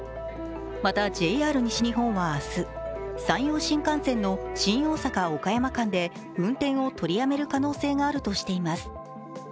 また、ＪＲ西日本は明日山陽新幹線の新大阪−岡山間で運転を取りやめる可能性があるとしています。